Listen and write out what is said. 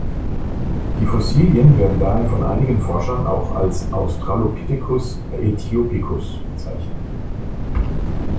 Die Fossilien werden daher von einigen Forschern auch als "Australopithecus aethiopicus" bezeichnet.